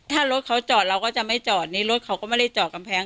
ถ้ารถเขาจอดเราก็จะไม่จอดนี่รถเขาก็ไม่ได้จอดกำแพง